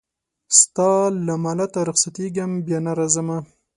ستا له مالته رخصتېږمه بیا نه راځمه